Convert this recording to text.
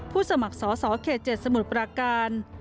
สมัครสอสอเขต๗สมุทรปราการ